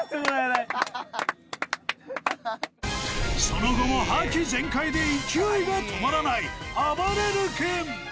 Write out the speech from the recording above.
［その後も覇気全開で勢いが止まらないあばれる君］